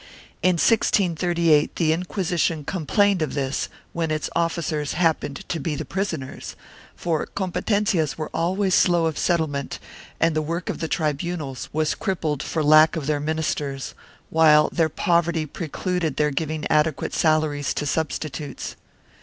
In 1638 the Inquisition complained of this, when its officers happened to be the prisoners, for competencias were always slow of settle ment and the work of the tribunals was crippled for lack of their ministers, while their poverty precluded their giving adequate salaries to substitutes.